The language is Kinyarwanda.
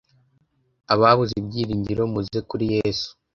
ababuze ibyiringiro muze kuri yesu